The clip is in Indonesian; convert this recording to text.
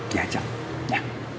di ajak ya